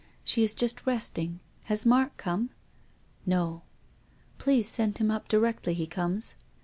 She is just rest ing. Has Mark come ?"" No." " Please send him up directly he comes."